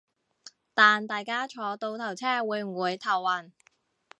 但大家坐倒頭車會唔會頭暈